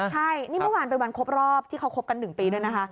ใช่นี่เมื่อวานเป็นวันครบรอบที่เขาคบกัน๑ปีด้วยนะคะ